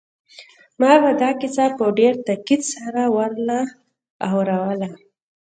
ما به دا کیسه په ډېر تاکید سره ور اوروله